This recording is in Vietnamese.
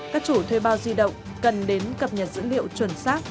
các chủ thuê bao di động cần đến cập nhật dữ liệu chuẩn xác